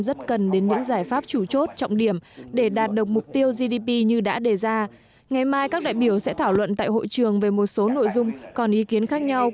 rất cần đến những dòng tiền